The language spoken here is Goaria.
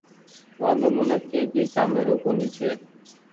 وآندو منک ڪي ڀي ڪآمي رو ڪونيٚ ڇي۔